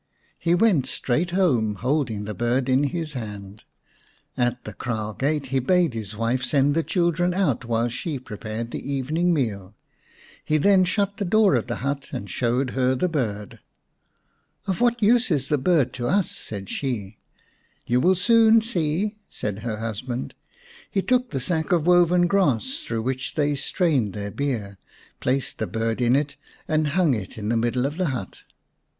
He went straight home, holding the bird in his hand. At the kraal gate he bade his wife send the children out while she prepared the evening meal. He then shut the door of the hut and showed her the bird. " Of what use is the bird to us ?" said she. " You will soon see," said her husband. He took the sack of woven grass through which they strained their beer, placed the bird in it, and hung it in the middle of the hut.